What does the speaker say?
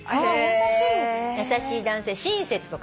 優しい男性親切とか。